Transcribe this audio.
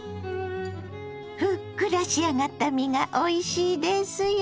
ふっくら仕上がった身がおいしいですよ。